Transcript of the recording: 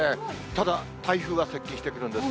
ただ、台風が接近してくるんです。